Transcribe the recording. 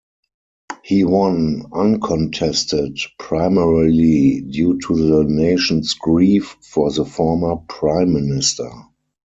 He won uncontested primarily due to the nation's grief for the former Prime Minister.